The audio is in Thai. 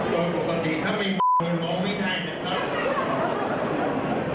โดยปกติถ้าไม่มีมันร้องไม่ได้นะครับ